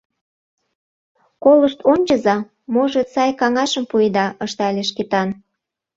— Колышт ончыза, можыт, сай каҥашым пуэда, — ыштале Шкетан.